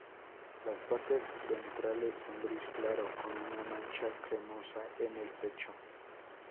Las partes ventrales son gris claro, con una mancha cremosa en el pecho.